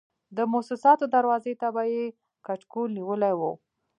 د موسساتو دروازې ته به یې کچکول نیولی و.